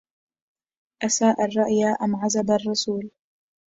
أساء الرأي أم عزب الرسول